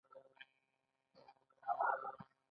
دوی د اوبو او وچې ماشینونه ډیزاین کوي.